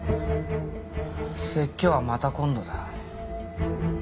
説教はまた今度だ。